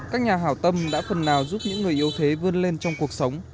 các nhà hào tâm đã phần nào giúp những người yếu thế vươn lên trong cuộc sống